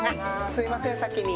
すみません先に。